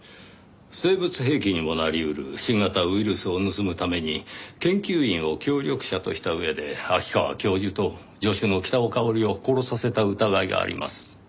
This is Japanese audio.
生物兵器にもなり得る新型ウイルスを盗むために研究員を協力者とした上で秋川教授と助手の北尾佳織を殺させた疑いがあります。